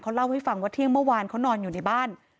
เล่าให้ฟังว่าเที่ยงเมื่อวานเขานอนอยู่ในบ้าน